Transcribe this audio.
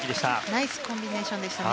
ナイスコンビネーションでした。